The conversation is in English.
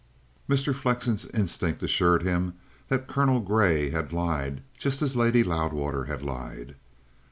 Mr. Flexen's instinct assured him that Colonel Grey had lied just as Lady Loudwater had lied.